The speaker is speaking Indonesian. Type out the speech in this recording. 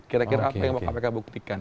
kira kira apa yang mau kpk buktikan